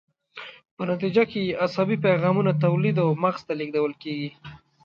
په نتیجه کې یې عصبي پیغامونه تولید او مغز ته لیږدول کیږي.